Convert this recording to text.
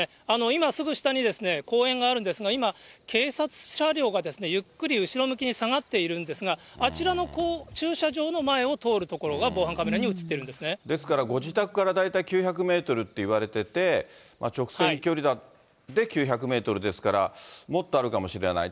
今すぐ下に公園があるんですが、今、警察車両がゆっくり後ろ向きに下がっているんですが、あちらの駐車場の前を通るところが、防犯カメラに写っているんでですからご自宅から大体９００メートルっていわれてて、直線距離で９００メートルですから、もっとあるかもしれない。